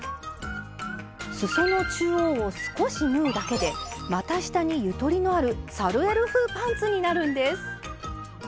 すその中央を少し縫うだけで股下にゆとりのあるサルエル風パンツになるんです。